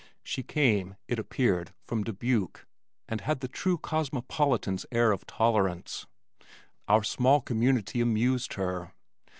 She came, it appeared, from Dubuque and had the true cosmopolitan's air of tolerance. Our small community amused her.